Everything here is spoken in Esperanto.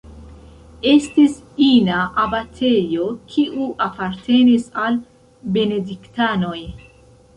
Estis ina abatejo, kiu apartenis al benediktanoj.